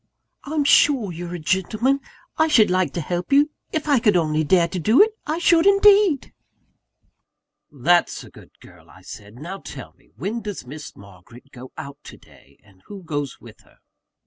"I'm sure you're a gentleman. I should like to help you if I could only dare to do it, I should indeed!" "That's a good girl," I said. "Now tell me, when does Miss Margaret go out to day; and who goes with her?"